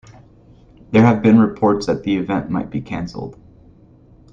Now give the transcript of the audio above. There have been reports the event might be canceled.